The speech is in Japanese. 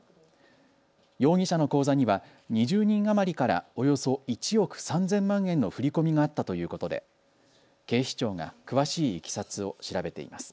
容疑者の口座には２０人余りからおよそ１億３０００万円の振り込みがあったということで警視庁が詳しいいきさつを調べています。